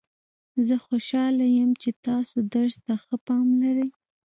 زه خوشحاله یم چې تاسو درس ته ښه پام لرئ